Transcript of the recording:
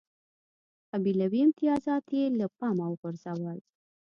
قبیلوي امتیازات یې له پامه وغورځول.